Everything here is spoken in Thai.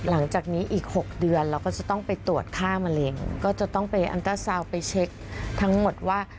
หลังจากนี้อีก๖เดือนเราก็จะต้องไปตรวจค่ามะเร็งก็จะต้องไปอันตราซาวน์ไปเช็คทั้งหมดว่า